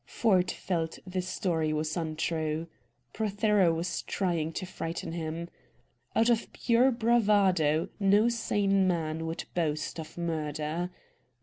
Ford felt the story was untrue. Prothero was trying to frighten him. Out of pure bravado no sane man would boast of murder.